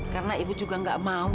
karena ibu juga nggak mau